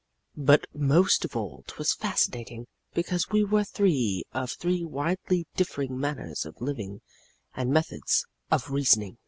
But most of all 'twas fascinating because we were three of three widely differing manners of living and methods of reasoning.